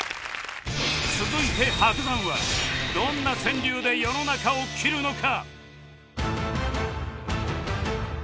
続いて伯山はどんな川柳で世の中を斬るのか？